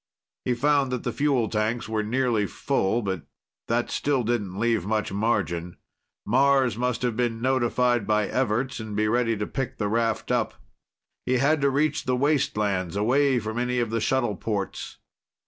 He found that the fuel tanks were nearly full, but that still didn't leave much margin. Mars must have been notified by Everts and be ready to pick the raft up. He had to reach the wastelands away from any of the shuttle ports.